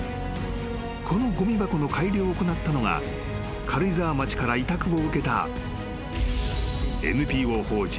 ［このごみ箱の改良を行ったのが軽井沢町から委託を受けた］